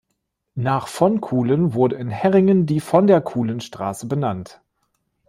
Nach von Kuhlen wurden in Herringen die Von-der-Kuhlen Straße benannt.